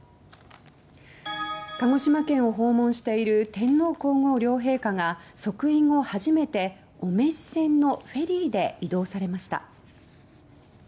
鹿児島県を訪問している天皇・皇后両陛下が即位後初めて、お召船のフェリーで移動されました。